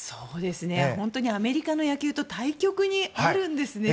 本当にアメリカの野球と対極にあるんですね。